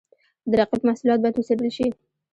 د رقیب محصولات باید وڅېړل شي.